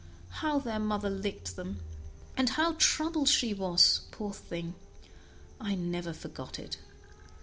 How their mother licked them, and how troubled she was, poor thing! I never forgot it.